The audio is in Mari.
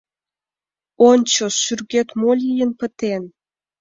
Ончо, шӱргет мо лийын пытен?